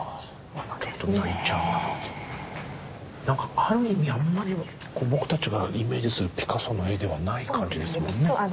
何かある意味あんまりボクたちがイメージするピカソの絵ではない感じですもんね。